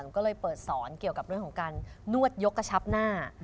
ก็เลยเปิดสอนเกี่ยวกับเรื่องของการนวดยกกระชับหน้า